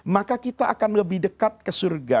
maka kita akan lebih dekat ke surga